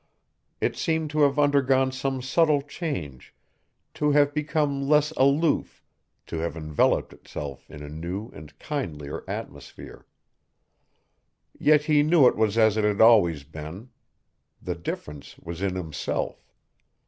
It seemed to have undergone some subtle change, to have become less aloof, to have enveloped itself in a new and kindlier atmosphere. Yet he knew it was as it had always been. The difference was in himself.